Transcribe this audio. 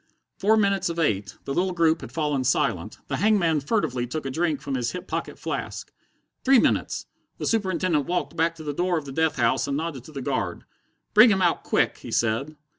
Four minutes of eight. The little group had fallen silent. The hangman furtively took a drink from his hip pocket flask. Three minutes! The Superintendent walked back to the door of the death house and nodded to the guard. "Bring him out quick!" he said.